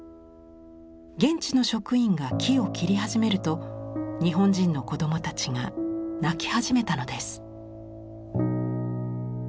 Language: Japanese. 現地の職員が木を切り始めると日本人の子どもたちが泣き始めたのです。